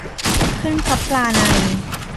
ขึ้นพลับพลาใน